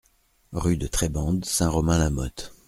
Rue de Trebande, Saint-Romain-la-Motte